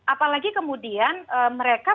apalagi kemudian mereka